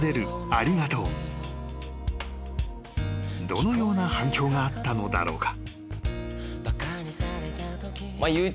［どのような反響があったのだろうか？］